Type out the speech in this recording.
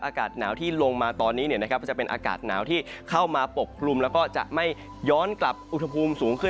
อากาศหนาวที่ลงมาตอนนี้จะเป็นอากาศหนาวที่เข้ามาปกคลุมแล้วก็จะไม่ย้อนกลับอุณหภูมิสูงขึ้น